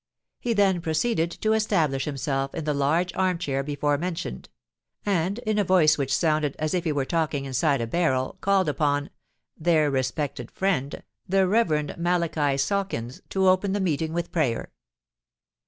He then proceeded to establish himself in the large arm chair before mentioned; and in a voice which sounded as if he were talking inside a barrel, called upon "their respected friend, the Reverend Malachi Sawkins, to open the meeting with prayer."